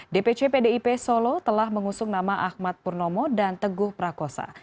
dpc pdip solo telah mengusung nama ahmad purnomo dan teguh prakosa